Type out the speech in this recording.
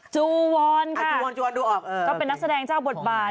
จูวอนค่ะจูวอนจูนดูออกก็เป็นนักแสดงเจ้าบทบาท